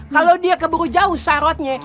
kalau dia keburu jauh sarotnya